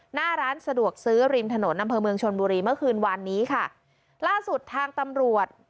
หน้าร้านสะดวกซื้อริมถนนอำเภอเมืองชนบุรีเมื่อคืนวานนี้ค่ะล่าสุดทางตำรวจ